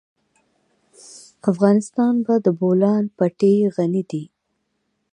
افغانستان په د بولان پټي غني دی.